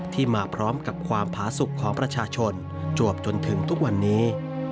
มาพร้อมกับความผาสุขของประชาชนจวบจนถึงทุกวันนี้